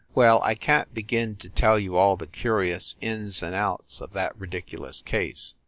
Well, I can t begin to tell you all the curious ins and outs of that ridiculous case.